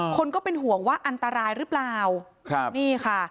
ก็เป็นห่วงว่าอันตรายหรือเปล่าครับนี่ค่ะ